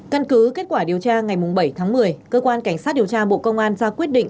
căn cứ kết quả điều tra ngày bảy tháng một mươi cơ quan cảnh sát điều tra bộ công an ra quyết định